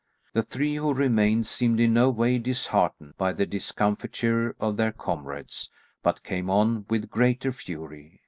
The three who remained seemed in no way disheartened by the discomfiture of their comrades, but came on with greater fury.